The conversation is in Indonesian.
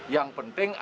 yang penting adalah